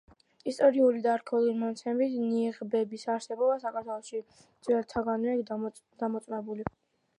ისტორიული და არქეოლოგიური მონაცემებით, ნიღბების არსებობა საქართველოში ძველთაგანვეა დამოწმებული.